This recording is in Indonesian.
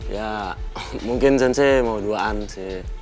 ya mungkin sensei mau duaan sih